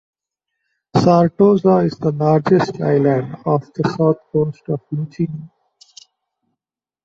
Sartosa is the largest island off the south coast of Luccini.